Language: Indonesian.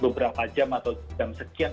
beberapa jam atau jam sekian